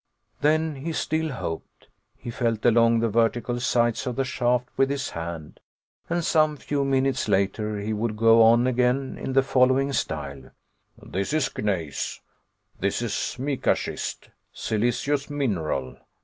Then he still hoped. He felt along the vertical sides of the shaft with his hand, and some few minutes later, he would go on again in the following style: "This is gneiss. This is mica schist siliceous mineral.